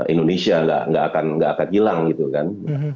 indonesia nggak akan hilang gitu kan